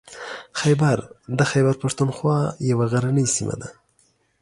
خیبر د خیبر پښتونخوا یوه غرنۍ سیمه ده.